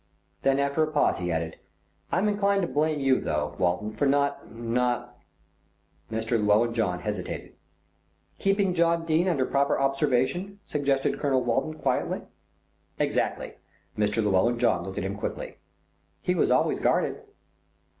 Then after a pause he added, "I'm inclined to blame you, though, Walton, for not not " Mr. Llewellyn John hesitated. "Keeping John Dene under proper observation," suggested Colonel Walton quietly. "Exactly." Mr. Llewellyn John looked at him quickly. "He was always guarded."